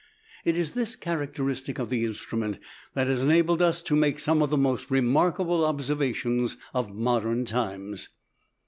It is this characteristic of the instrument that has enabled us to make some of the most remarkable observations of modern times.